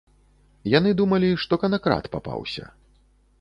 Яны думалі, што канакрад папаўся.